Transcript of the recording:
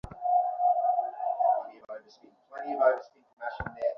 তাহলে আমরা দেখি সুপ্রিম কোর্টের একটি বিরাট ভূমিকা প্রচলিত আইনে ইতিমধ্যে স্বীকৃত।